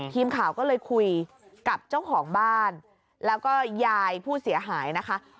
ทีมข่าวก็เลยคุยกับเจ้าของบ้านแล้วก็ยายผู้เสียหายนะคะ